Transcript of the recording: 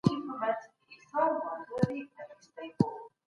معرفي کړه